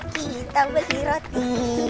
kita beli roti